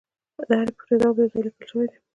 د هرې پوښتنې ځواب یو ځای لیکل شوی دی